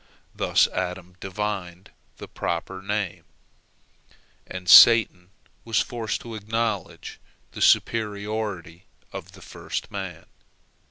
Thus Adam divined the proper name, and Satan was forced to acknowledge the superiority of the first man.